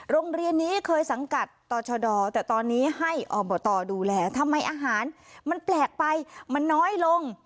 โรงเรียนนี้เคยสังกัดต่อชดแต่ตอนนี้ให้อบตดูแลทำไมอาหารมันแปลกไปมันน้อยลง